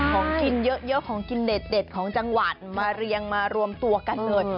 ของกินเยอะของกินเด็ดของจังหวัดมาเรียงมารวมตัวกันเถอะ